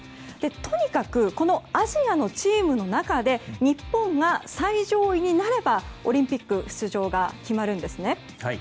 とにかくアジアのチームの中で日本が最上位になればオリンピック出場が決まります。